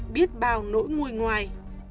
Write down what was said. biết bao nỗi nguồi ngoài